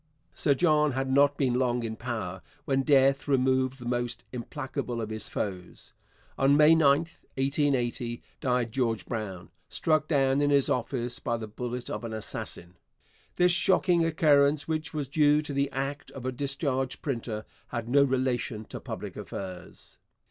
Sir John had not been long in power when death removed the most implacable of his foes. On May 9, 1880, died George Brown, struck down in his office by the bullet of an assassin. This shocking occurrence, which was due to the act of a discharged printer, had no relation to public affairs.